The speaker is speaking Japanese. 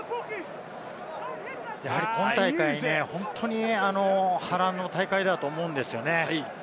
やはり今大会、本当に波乱の大会だと思うんですよね。